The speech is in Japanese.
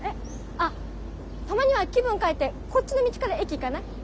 あたまには気分変えてこっちの道から駅行かない？